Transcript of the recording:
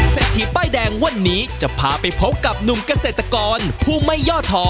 ทีป้ายแดงวันนี้จะพาไปพบกับหนุ่มเกษตรกรผู้ไม่ย่อท้อ